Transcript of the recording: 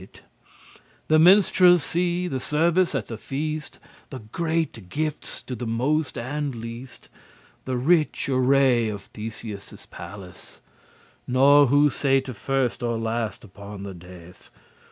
*improve The minstrelsy, the service at the feast, The greate giftes to the most and least, The rich array of Theseus' palace, Nor who sate first or last upon the dais.